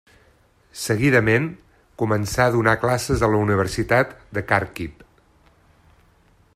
Seguidament, començà a donar classes a la Universitat de Khàrkiv.